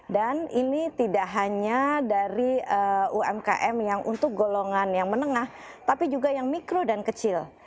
dan ini tidak hanya dari umkm yang untuk golongan yang menengah tapi juga yang mikro dan kecil